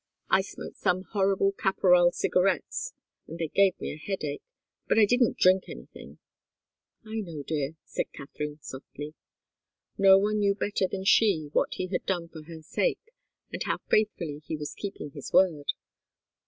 I smoked some horrible Caporal cigarettes, and they gave me a headache. But I didn't drink anything " "I know, dear," said Katharine, softly. No one knew better than she what he had done for her sake, and how faithfully he was keeping his word.